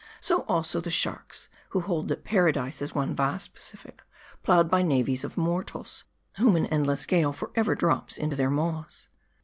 So, also, the sharks ; who hold that Paradise is one vast Pacific, ploughed by navies of mortals, whom an endless gale forever drops into their maws.